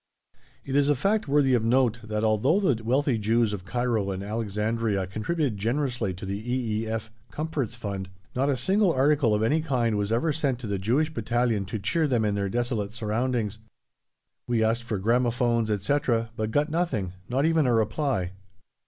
It is a fact worthy of note that, although the wealthy Jews of Cairo and Alexandria contributed generously to the E. E. F. Comforts Fund, not a single article of any kind was ever sent to the Jewish Battalion to cheer them in their desolate surroundings. We asked for gramophones, etc., but got nothing not even a reply!